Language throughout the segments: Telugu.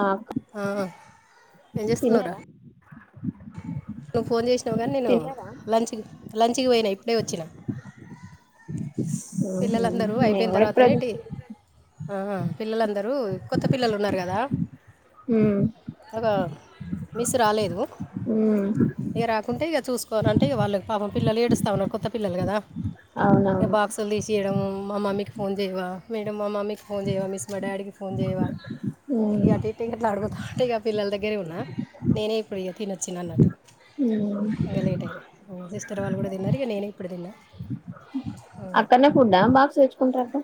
ఆ ఏం చేస్తున్నావురా తిన్నారా నువ్వు ఫోన్ చేసినావు గానీ నేను తిన్నారా లంచ్కి లంచ్కి పోయినా ఇప్ ఇప్పుడె వచ్చినా ఉహు పిల్లలందరూ నేను అయిపోయిన కూడా ఇప్పుడే తర్వాతనేటి ఆ పిల్లలందరూ కొత్త పిల్లలు ఉన్నారు కదా ఉమ్ అవ మిస్ రాలేదు హ్మ్ పొనంటే వాళ్ళకి పాపం పిల్లలు ఏడుస్తా ఉన్నారు కొత్త పిల్లలు కదా అవునువును తీసియడం మా మమ్మీకి ఫోన్ చేయవ మేడం మా మమ్మీ కి ఫోన్ చేయవ మిస్ మా డాడీ కి ఫోన్ చేయవ ఉమ్ ఇగ అటు ఇటు ఇంగ అట్ల ఆడుగుతా అంటే ఇగ పిల్లల దగ్గరే ఉన్నా నేనే ఇప్పుడు తినొచ్చినా అన్నట్టు ఉమ్ ఇంగ లేట్ అయింది సిస్టర్ వాళ్ళు కూడా తిన్నారు నేను ఇప్పుడు తిన్నా అక్కనే ఫుడా బాక్స్ తెచ్చుకుంటార అక్క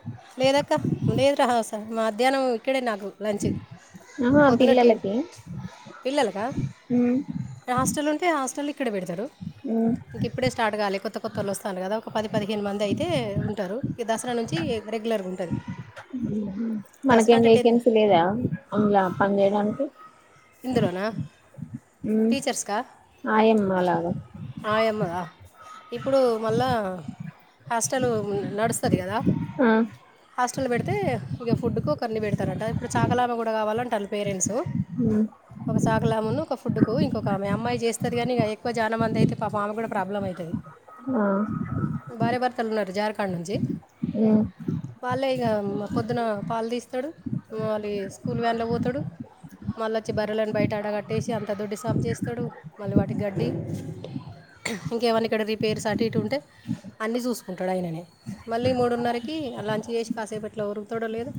లేదు రా హ సా మధ్యాహ్నం ఇక్కడే నాకు లంచ్ ఆహా పొద్దునే టీ పిల్లలకి పిల్లలకా ఉమ్ ఆ హాస్టలోనే తే హాస్టలో ఇక్కడే పెడతారు ఉమ్ ఇంక ఇప్పుడె స్టార్ట్ కాలే కొత్త కొత్తోలో వస్తానండ్రు కదా ఒక పది పదిహేను మంది అయితే ఉంటారు ఇగ దసరా నుంచి రెగ్యులర్గా ఉంటది హ్మ్ హు మనకేం వేకెన్సీ లేదా అందులా పని చేయడానికి ఇందులోనా ఉమ్ టీచర్స్కా ఆయమ్మ లాగా ఆయమ్మ ఇప్పుడు మళ్ళా హాస్టల్ నడుస్తది కదా ఆ హాస్టల్ పెడితే ఇగ ఫుడ్కు ఒకరిని పెడతారంట ఇప్పుడు చాకలామ కూడా కావాటాంది పేరెంట్స్ హు తాగలామును ఒక ఫుడ్కు ఇంకొ ఆమె అమ్మాయి చేస్తుంది కానీక ఎక్కువ జానంమంది అయితే పాప ఆమె కూడా ప్రాబ్లం అవుతుంది ఆ బార్య బర్తలు ఉన్నారు జార్ఖండ్ నుంచి ఉ వాళ్ళే ఇక పొద్దున్నన పాలు తీస్తాడు మళ్ళీ స్కూల్ వ్యాన్లో పోతాడు మళ్ళా పచ్చి బర్రలను బయట అడగట్టేసి అంత దుడ్డి సాము చేస్తాడు మళ్ళీ వాటి గడ్డి ఇంకేమన్నా ఇక్కడ రిపేర్స్ అటు ఇటు ఉంటే అన్నీ చూసుకుంటాడు ఆయననే మళ్ళీ మూడున్నరకి అ లంచ్ చేసి కాసేపు ఎట్లా ఉరుగుతాడో లేదు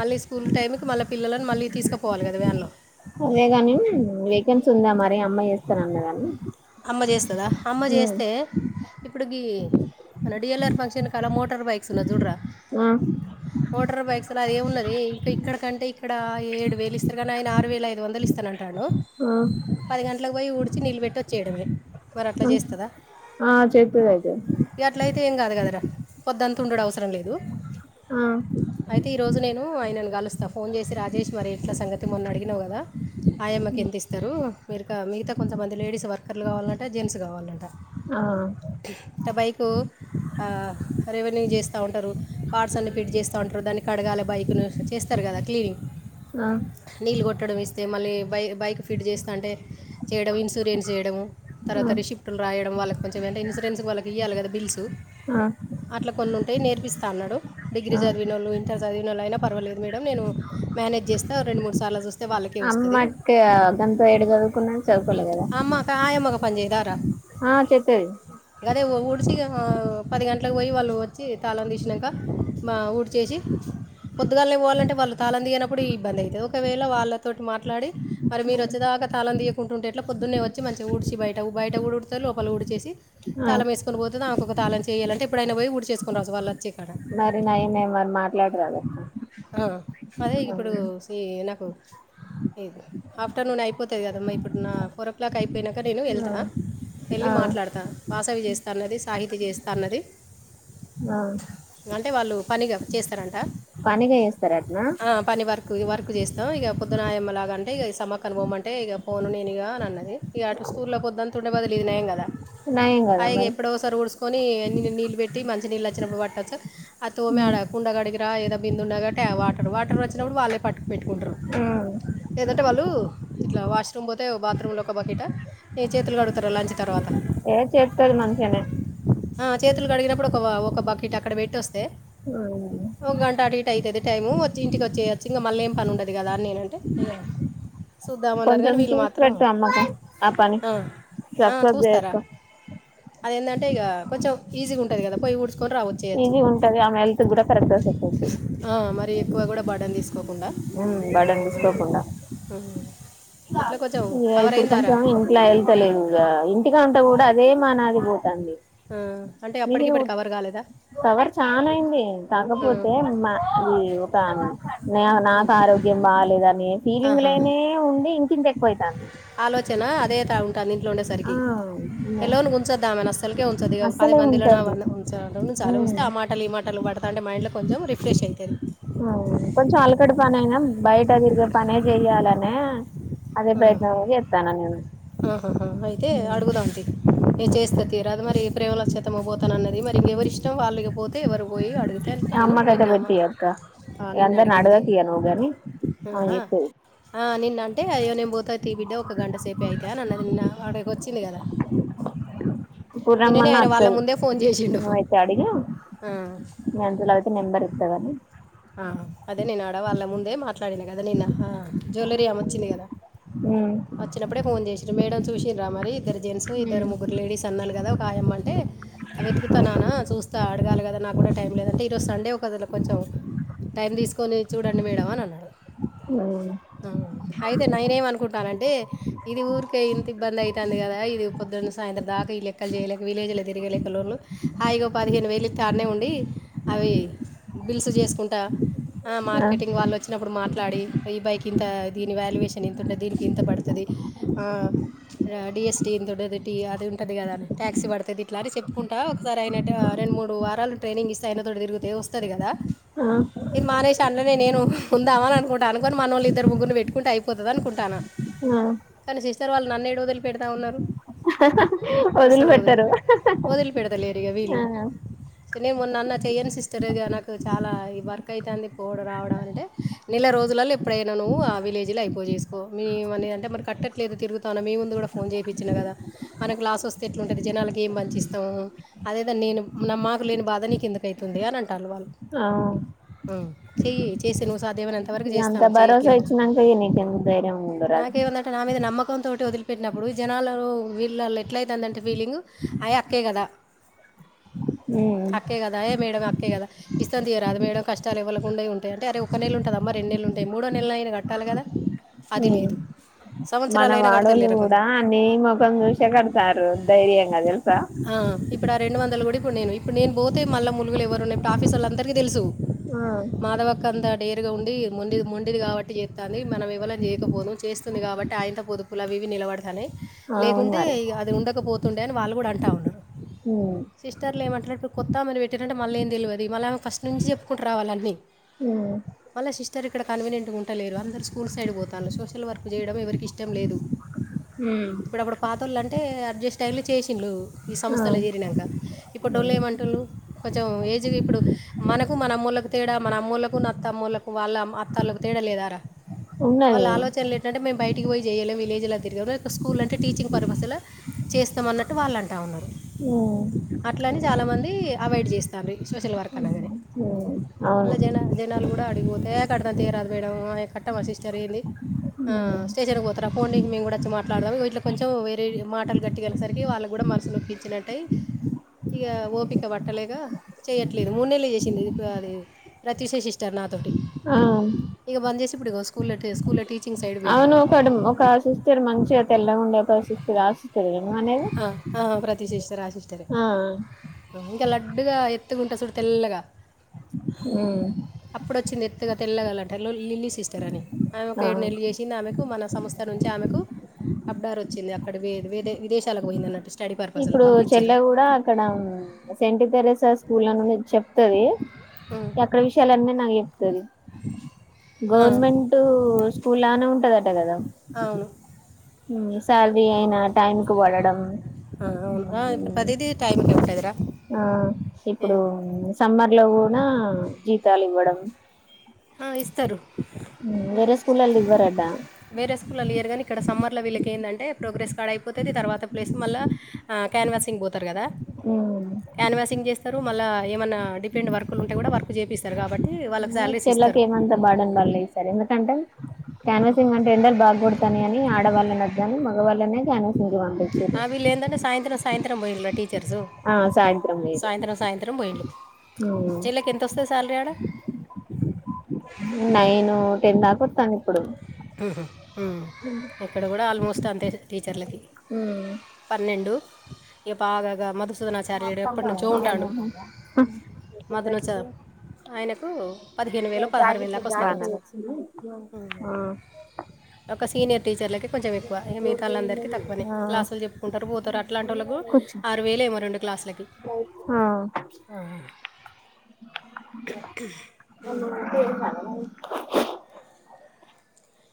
మళ్ళీ స్కూల్ టైమ్కి మళ్ల పిల్లలను మళ్ళీ తీసుకపోవాలి కద వ్యాన్లో అదేగాని వేకెన్సీ ఉందా మరి అమ్మాయి చేస్తానని అమ్మ చేస్తదా అమ్మ చేస్తే ఇప్పుడుకి మన డిఎల్ఆర్ ఫంక్షన్కి అలా మోట మోటర్ బైక్సలో చూడర ఆ మోటార్ బైక్స్ లో ఎం ఉన్నది ఇంకా ఇక్కడకంటే ఇక్కడ ఏడు వేలు ఇస్తారు కానీ ఆయన ఆరు వేలు పది వందలు ఇస్తాన అంటాను ఆ పది గంటలకు పోయి ఊడిచి నీల్లు పెట్టి వచ్చేయడమే మరి అట్లా చేస్తదా ఆ చేత్తది అయితే ఇ అట్ల అయితే ఏం కాదు కదరా పొద్ద ఉండడం అవసరం లేదు ఆ అయితే ఈరోజు నేను ఆయన కలుస్తా ఫోన్ చేసి రాజేష్ మరి ఇట్ల సంగతి మొన్న అడినావు కదా ఆయమ్మకి ఎంత ఇస్తారు మీరుకా మిగతా కొంతమంది లేడీస్ వర్కర్లు కావాలంట జెంట్స్ కావాలంట ఆ బైక్ రెవెన్యూ చేస్త ఉంటారు పార్ట్స్ అన్ని ఫిట్ చేస్త ఉంటారు దాన్ని కడగాలి బైక్ను చేస్తారు కదా క్లీనింగ్ ఆ కట్టడం ఇస్తే మళ్ళీ బై బైక్ ఫిట్ చేస్త అంటే చేయడం ఇన్సూరెన్స్ చేయడము ఆ [unintelligible] షిఫ్ట్లు రాయడం వాళ్ళకి క ఏంట ఇన్సూెన్స్ వాళకి ఇయ్యాలి కదా బిల్స్ ఆ ఇట్లా కొన్ని ఉంటేయి నేర్పిస్తా అన్నాడు డిగ్రీ చదివినొళ్ళు ఇంటర్ చదివిన ఒళ్ళు అయినా పర్వాలదు మేడం నేను మేనేజ్ చేస్త రెండు మూడు సార్లు వస్తే అమ్మట్కి [unintelligible] చదువు కోలేదు కదా అమ్మ క ఆయమ్మ ఒక పని చేయదర ఆ చెత్తది అదే ఉడిసి పది గంటలకు పోయి వాళ్ళు వచ్చి తాళం తీసినంక మా ఊడిచేసి పొద్దుగాలననే ఇవ్వాలంటే వాళ్ళు తళం దిగిననప్పుడు ఇబ్ంది అయింది ఒకవేళ వాళ్ళతోటి మాట్లాడి మరి మీరు వచ్చేదా తాళం తీయకుంటుంటే ఏట్ల పొద్దున్నే వచ్చి మంచిగా ఊడిచి బయట బయట ఊడితే లోపల ఉడిచేసి ఆ తాళం వేసుకొని పో నాాకు ఒక [unintelligible] ఎప్పుడైనా పోయి ఊడి చేసుకుని రా వాళ్ళ వచ్చి మరి [unintelligible] మరి మాట్లాడరాద ఆ అదే ఇప్పుడు నాకు ఆఫ్టర్ నూన్ అయిపోతది కదా అమ్మ ఫోర్ ఒ క్లాక్ [unintelligible] నేను వెళ్తా వెళ్ళి ఆ మాట్లాడతా చేస్తన్నది సాహితి చేస్తాన్నది ఆ అంటే వాళ్ళు పనిగా చేస్తారంట పనిగా వేస్తార అటన ఆ, పని వర్క్ వర్క్ చేస్తాం ఇగ పొద్దున ఆయమ్మ లగాంటే ఇ సమ్మ అనుభవం అంటే ఇక ఫోన్ నేనుగా అన్నది ఇ [unintelligible] ఉండే బదులు ఇయ్యలెం కదా నయం ఆ కదా ఇగ మరి ఎప్పుడో ఒసారి ఊడుసుకొని నిన్ నీళ్ళు పెట్టి మంచి నీళ్ళు వచ్చినప్పుడు పట్టచ్చు. అది తోమి ఆడ కుండ కడిగిరా ఏద బిందున్నగా టే వాటర్ వాటర్ వచ్చినప్పుడు వాళ్ళే పట్టు పెట్టుకుంటరు ఉమ్ లేదంటే వాళ్ళు ఇట్ల వాష్రూమ్ పోతే బాత్రూమ్ లో ఒక బకిట ఇగ చేతులు కడుగుతరా లంచ్ తర్వాత ఏ చేత్తది మంచిగనే. ఆ, చేతులు కడిగినప్పుడు ఒక ఒక బకెట్ అక్కడ పెట్టోస్తే అవునా. అయితది టైము వచ్చి ఇంటికి వచ్చిచేయచ్చు ఇంగా మళ్ళా ఏం పని ఉండదు కదా అని నేనంటే సూద్దామన్నరు కానీ కొంచెం వీళ్ళు చూసి మాత్రం పెట్టు అమ్మకు పని ఆ ఆ సక్సెస్ చూస్తరా. చేయిస్కో అదేంటే ఇగ కొంచెం ఈజీగా ఉంటంది కదా పోయి ఊడ్స్ ఈజిగ ఉంటది ఆమె హెల్త్ కూడా కరక్ట్ గా సెట్ అయితది. మరి ఎక్కువ కూడా బర్డన్ తీసుకోకుండా. బర్డన్ తీసుకోకుండా ఎట్లా కొంచెం ఇగ కవర్ ఇప్పుడు అయిందారా కొంచెం ఇంట్లా ఎళ్తలేదు ఇగా ఇం టి కాడా ఉంటే కూడా అదే మానాది పోతాంది. ఆ అంటే అప్పటికి మీకు ఇప్పటికి కవర్ కాలేదా. కవర్ చాన అయింది "ఆ, కాకపోతే మా ఈ ఒక నీ ఆమె ఉమ్, నాకు ఆరోగ్యం బాలేదని ఆహా ఫీలింగ్లనే ఉండి ఇంకింత ఎక్కువైతాంది ఆలోచన అదే తా ఉంటాంది ఇంట్ల ఆ ఉండేసరికి. ఎలోన్గా ఉంచద్దామెను అస్సల్కే ఉంచద్దు ఇగ. పది అస్సలే మందిలనే ఉంటద్దు వాళ్ళ ఉంచాలే. ఉంచాలే ఉమ్ ఉంచితే ఆ మాటలు ఈ మాటలు పడతా అంటే మైండ్లో కొంచం రిఫ్రెష్ అయితది. కొంచెం అలకటి పనయినా బయట తిరిగే పనే చెయ్యాలనే అదే ఆ ప్రయత్నం చేత్తాన నేను ఆహహా అయితే అడుగుదాంతి నేను చేస్తా తీయరాదు మరి ప్రేమలచ్చతమా పోతనా అన్నది మరి ఇంగ ఎవరి ఇష్టం వాళ్ళకి పోతే ఎవరు పోయి అడిగితే నేను అమ్మకైతే నిన్న మా పెట్టియి అక్కా ఆ, ఇగ నిన్న అందరిని అడిగింది అడుగకు ఇగ నువ్వు కనీ. ఆహా ఆ నిన్నంటే ఇగ తియి బిడ్డ ఒక గంట సేపే అయితే అని అన్నది నిన్న అక్కడికి వచ్చింది కదా. ఇప్పుడు నిన్ననే రమ్మన్నా ఆయన వాళ్ళ అత్తది ముందే ఫోన్ చేసిండు నువయితే అడిగి ఆ. ఇగ అంతలావయితే నెంబర్ ఇత్తగని. ఆ అదే నేను ఆడ వాళ్ళ ముందే మాట్లాడినా కదా నిన్న ఆ జ్యువలరీ ఆమే వచ్చింది కదా. ఉమ్ వచ్చినప్పుడే ఫోన్ చేశింరు మేడం చూశింరా మరి ఇద్దరు జెంట్స్, ఇద్దరు ముగ్గురు లేడీస్ అన్నాను కదా, ఒక ఆయమ్మంటే వెతుకుత నాన్నా చూస్ త అడగాలి కదా నాకు కూడా టైం లేదంటే ఈరోజు సండే ఒకదల కొంచెం టైం తీసుకొని చూడండి మేడం అని అన్నరు. అయితే నేనేం అను కుంటానంటే ఇది ఊరికే ఇంత ఇబ్బంది అయితాంది కదా, ఇది పొద్దనుంచి సాయంత్ర దాకా ఈ లెక్కలు చేయలేక వీలు [unintelligible] తిరగలేక లోన్లు ఆ ఇగా పదిహేను వేలు ఇత్తే ఆడ్నే ఉండి అవి బిల్సు చేస్ కుంటా ఆ మార్కెటింగ్ వాళ్ళు వచ్చినప్పుడు మా ట్లాడి ఈ బైక్ ఇంత దీని వాల్యుయేషన్ ఇంతా ఉంటది, దీనికి ఇంత పడుతది ఆ ఆ డిఎస్టీ ఇంత ఉంటది, టిఆర్ అది ఉంటది కదానే టాక్సీ పడుతది ఇట్లా అని చెప్పుకుంటా ఒకసారి అయినా రెండు మూడు వారాలు ట్రైనింగ్ ఇస్తే అయినతోటి తిరిగితే వస్తది కదా, ఇది మానేసి అన్ల నేను ఉందామని అనుకుంటా అనుకోని మనోళ్ళు ఇద్దరు ముగ్గురు పెట్టుకుంటే అయిపోతది అనుకుంటానా. ఆ తర్ వాళ్ళు నన్నేడా వదిలిపెడతా ఉన్నరు. వదిలి అస్సలే వదులు పెట్టరు వదిలి పెడదలేరు ఇగ వీల్లు. ఆ సరేనేం మొన్న అన్న చెయ్యను సిస్టర్ ఇగ నాకు చాలా ఈ వర్క్ అయితాంది పోవుడు, రావడం అంటే నెల రోజులల్లో ఎప్పుడైనా నువ్వు ఆ విలేజిలో అయిపోజేస్ మీ మని అంటే మరి కట్టట్లేదు తిరుగుతన్నా మీ ముందు కూడా ఫోన్ చేపిచ్చిన గాదా మరీ లస్ వస్తే ఎట్లుంటది. జనాలకి ఏం మంచి ఇస్తాము. అదేధో నేను నా మాకు లేని బాధ నీకు ఎందుకయితుంది అని అంటారు వాళ్ళు అ ఆ చెయ్యి చేసి నువ్వు సా దేవునింత వరకు ఇగ అంత చేస్తాను భరోసా చేయట్లేదు ఇచ్చినంక ఇగ నీకెందుకు ధైర్యం ఉండరాదు నాకేమందంటే నా మీద నమ్మకం కోపంతోటి వదిలిపట్టినప్పుడు జనాల తోటి వీళ్ళలో ఎట్ల అవుతుందంటే ఫీలింగ్ అ అక్కే కదా ఆక్కే కదా ఏ మేడమ ఆక్కే కద ఇస్తం తీయారాదు మేడం కష్టాలు ఎవ్వలకు ఉండయి ఉంటయి ఆరే ఒక నెల ఉంటదమ్మ రెండు నెలుంటాయి మూడోనెలయినా కట్టాలి కాదా ఉ మనం ఆడోళ్ళు కడతలేరు కొంత కూడా న్ని ముఖం చూసే కడతారు ధైర్యం గా ఆ ఇప్పుడు ఆ రెండు వందలు కూడా ఇప్పుడు నేను ఇప్పుడు నేను పోతే మళ్ళా ములుగులు ఎవరు ఉన్నాయిప్పుడు ఆఫీస్ వాళ్ళ అందరికీ తెలుసు ఆ మాధవక్క అంద డేర్గా ఉండి మేం మేండిది కాబట్టి చేస్తాంది మనం ఎవలం చేయకపోదుము చేస్తుంది కాబట్టి ఆయంత పొదుపులు అవి ఇవి నిలబడతన్నయి అవును లేకుంటే మరి అవి ఉండకపోతుండే అని వాళ్ళు కూడా అంటా ఉన్నారు ఉమ్ సిస్టర్లు ఏం మాట్లాడుతారు ఇప్పుడు కొత్తా ఆమెను పెట్ అంటే మళ్ళీ ఏం తెలువాది మళ్ళ ఫస్ట్ నుంచి చెప్పుకుంట రావాలే హ్ ఇర్ ఇక్కడ కన్వీనియంట్గా ఉంటలేరు అందరు స్కూల్ సైడ్ పోతారు. సోషల్ వర్క్ చేయడం ఎవరికి ఇష్టం లేదు. హ్ ముందు అంటే అడ్జస్ట్ అయ్యిర్రు చేసిర్రు ఈ ఆ సంస్థల చేరినంక ఇప్పుటోళ్ళు ఏం అంటురూ కొంచెం ఏజ్ ఇప్పుడు మనకు మన అమ్మళ్లకు తేడా మన అమ్మవాళ్ళకు అత్త అమ్మవాళ్లకు వళ్ళ అత్త వాళ్లకు తేడా లేద ఆరా వాళ్ళ ఉన్నది ఆలోచనేే బయట ఇంటికి పోయి చేయలేం విలేజ్లో తిరగలము ఒక స్కూల్ అంటే టీచింగ్ పర్పస్ల చేస్తాము అన్నట్టు వాళ్ళు అంటా ఉన్నారు. హ్ అట్లని చాలా మంది అవాయిడ్ చేస్తారు. ఈ సోషల్ వర్క్ అనేది ఉమ్ మళ్ళ అవును జనా జనాలు కూడా అడిగిపోతే కడతం తీయారాదు మేడం ఆ కట్టమా సిస్టర్ ఏంది ఆ స్టేషన్కి పోతారా పోండి మేము కూడా వచ్చి మాట్లాడదాం. వీటిలో కొంచెం వేరే మాటలు గట్టిగా అనేసరికి వాళ్ళు కూడా మనాస్సు నోప్పించ్చినట్టై ఇగా ఓపిక పట్టలేక చెయ్యట్లేదు మూడు నెలలు చేసింది ఇప్పుడు అది రతిశేషిస్టర్ నా తోటి ఆ ఇగా బంద్ చేసి ఇప్పుడు స్కూల్ లా టీ టీచింగ్ సైడ్ పోయింది అవును ఒకటి ఒక సిస్టర్ మంచిగా తెల్లగాండే ఒక సిస్ర్ ఆ సిస్టరేనా నువ్వు అనేది ఆ ఆ ప్రతిశిష్టర్ ఆ శిష్టరే ఆ ఆ లడ్డుగా ఎత్తుగా ఉంటది చుడు తెల్లగా హ్ అప్పుడు వచ్చింది ఎత్తు గా తెల్లగలంట లిల్లీ సిస్టర్ అని ఆమె ఒక ఆ ఏడు నెలలు చేసింది. ఆమెకు మన సంస్థ నుంచి ఆమెకు అప్డార్ వచ్చింది. అక్కడ వే వేరే విదేశాలకు పోయిందన్నట్ ఇప్పుడు చెల్లె కూడా అక్కడ సెంట్పారస్ స్కూల నుంచి చెప్తది ఎక్కడ విషయాలన్నీ నాకు చెప్పు టాది అవును గవర్నమెంట్ స్కూల్లానే ఉంటది ఆట కదా అవును శాలరీ అయినా టైం కు పడడం ఆ అవును ఆ ప్రదీది టైముకు ఉంటది. రా ఆ ఇప్పుడు సమ్మర్ లో కూడా జీతాలు ఇవ్వడం ఆ ఇస్తారు వేరే స్కూల్ల్లో ఇవ్వరట వేరే స్కూల్లల్ల ఇయరుగాని ఇక్కడ సమ్మర్లో వీళ్ళకి ఏంటంటే ప్రోగ్రెస్ కార్డ్ అయిపోతుంది. తర్వాత ప్లేస్ మళ్ళా క్యాన్వాసింగ్ పోతారు కదా క్యాన్వవాషింగ్ చేస్తారు మళ్ళా ఏమైన్నా డిపెంట్ వర్క్ లు ఉంటే కూడా వర్క్ చేపిస్తారు కాబట్టి వాళ్ళకి శాలరీస్ ఇస్తారు ఏమంతా బాడని వాళ్ళుసారు ఎందుకంటే క్యాన్వసింగ్ అంటే ఎండలు బాగ కొడతాన అని ఆడవాళ్ళు గాని మగవాళ్ళనే క్యాన్వ వాషింగ్ పంపిస్తారు ఆ వీళ్ళు ఏంటంటే సాయంత్రం సాయంత్రం పోయిరా టీచర్సు ఆ సాయంత్రం మీరు సాయంత్రం సాయంత్రం పోయిలు వీళ్ళకి ఎంతొస్తుంది శాలరీస్ నైను టెన్ దాక ఆస్తుంది ఇప్పుడు ఇక్కడ కూడా ఆల్మోస్ట్ అంతే టీచర్లకి ఉ రెండు బాగా ఇగా మధు మదన చార్యుడు ఎప్పటినుంచో ఉంటాడు మదనచార్యుడు ఆయనకు పదిహేను వేలు పదహారు వేల దాకా వస్తేయి కావచ్చు ఒక సీనియర్ టీచర్లకి కొంచెం ఎక్కువ మిగతాలందరికి తక్కువనే ఆ క్లాసులు చెప్పుకుంటారు పోతారు అలాంటి వాళ్ళకు కూర్చో ఆరు వేలే ఏమో రెండు క్లాసులకి ఆ ఆ ఉ హు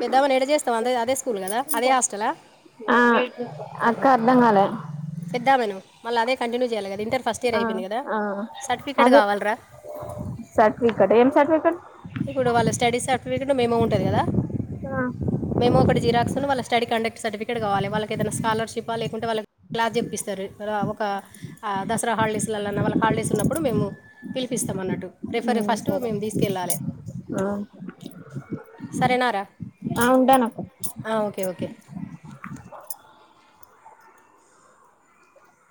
పెద్ద ఆమెను ఏడ వేస్తా అదే అదే స్కూల్ కదా అదే హాస్టలా ఆ అక్క అర్ధాంగాలే మల్ల అదే కంటిన్యూ చేయాలి కదా ఇంటర్ ఫస్ట్ ఇయర్ అయిపోయింది కదా ఆ సర్టిఫికేట్ అదే కావాలరా సర్టిఫికెట్ ఏం సర్టిఫికెట్ ఇప్పుడు వాళ్ళ స్టడీ సర్టిఫికేట్ మేము ఉంటది కదా ఆ మేమో ఒకటీ జీరాక్స్ వాళ్ళ స్టడీ కండక్ట్ సర్టిఫికేట్ కావాలి వాళ్ళకి ఏదైనా స్కాలర్షి లేకుంటే వాళ్ళకి క్లాస్ చెప్పిస్తారు ఒక దసరా హాలిడేస్ కి స్కూల్లలో వాళ్ళ హాలిడేస్ ఉన్నప్పుడు మము పిలిస్తామన్నట్టు రిఫరీ ఫస్ట్ మేము తీసుకెళ్ళాలే ఆ సరేనారా ఆ ఉంటాను అక్క ఓకే ఓకే ఏ ఆ